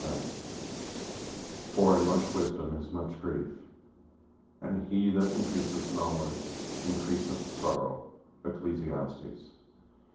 X For in much wisdom is much grief; and he that increaseth knowledge increaseth sorrow. ECCLESIASTES.